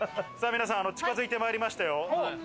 皆さん近づいて参りましたよ。